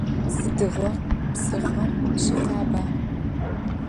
Sıdiğo psıxhom şıfaba?